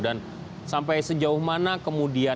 dan sampai sejauh mana kemudian